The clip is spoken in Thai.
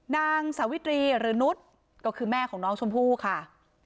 นางสาวิตรีหรือนุษย์ก็คือแม่ของน้องชมพู่ค่ะ